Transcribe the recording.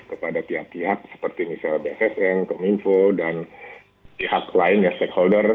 kepada pihak pihak seperti misalnya bssn kominfo dan pihak lain ya stakeholder